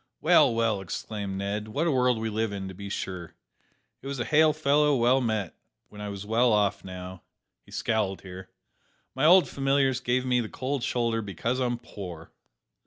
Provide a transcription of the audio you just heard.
"Well, well!" exclaimed Ned, "what a world we live in, to be sure! It was `Hail fellow! well met,' when I was well off; now," (he scowled here) "my old familiars give me the cold shoulder because I'm poor."